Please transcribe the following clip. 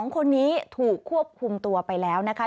๒คนนี้ถูกควบคุมตัวไปแล้วนะคะ